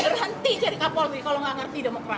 berhenti jadi kapolisi kalau gak ngerti demokrasi